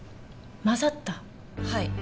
はい。